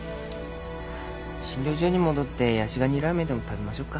診療所に戻ってヤシガニラーメンでも食べましょうか。